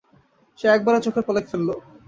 সে একবারও চোখের পলক ফেলল।